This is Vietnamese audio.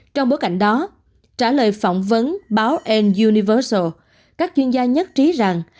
trong bối cảnh đó trả lời phỏng vấn báo an universal các chuyên gia nhất trí rằng